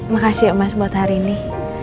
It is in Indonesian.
makasih ya mas buat hari ini